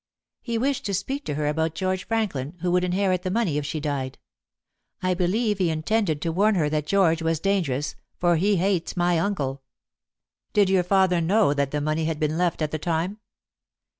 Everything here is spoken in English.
"He wished to speak to her about George Franklin, who would inherit the money if she died. I believe he intended to warn her that George was dangerous, for he hates my uncle." "Did your father know that the money had been left at the time?"